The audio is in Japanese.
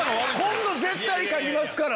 今度絶対書きますから。